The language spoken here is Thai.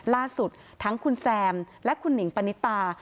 ล่าสุดทั้งคุณแซมและคุณหนิงปณิตา